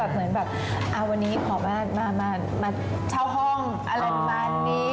เหมือนแบบวันนี้ขอบ้านมาเช่าห้องอะไรประมาณนี้